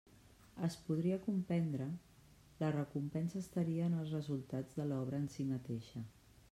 Es podria comprendre, la recompensa estaria en els resultats de l'obra en si mateixa.